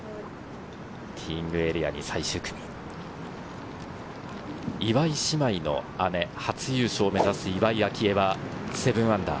ティーイングエリアに最終組、岩井姉妹の姉、初優勝を目指す岩井明愛は、−７。